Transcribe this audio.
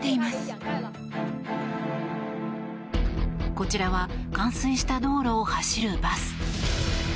こちらは冠水した道路を走るバス。